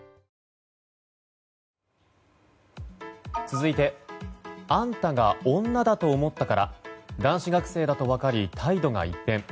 続いてあんたが女だと思ったから男子学生だと分かり態度が一変。